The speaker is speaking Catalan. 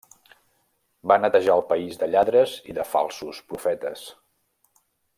Va netejar el país de lladres i de falsos profetes.